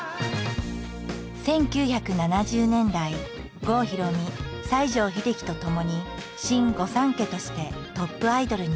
１９７０年代郷ひろみ西城秀樹とともに「新御三家」としてトップアイドルに。